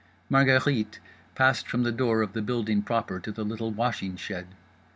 Margherite passed from the door of the building proper to the little washing shed.